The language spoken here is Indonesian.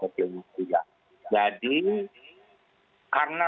dan diperlukan perlindungan pada usia muda